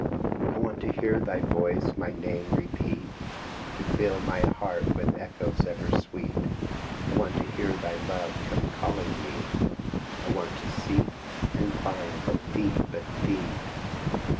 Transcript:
I want to hear thy voice my name repeat, To fill my heart with echoes ever sweet; I want to hear thy love come calling me, I. want to seek and find but thee, but thee.